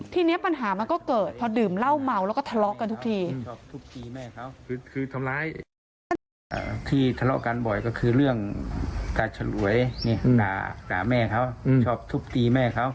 ทีนี้ปัญหามันก็เกิดพอดื่มเหล้าเมาแล้วก็ทะเลาะกันทุกที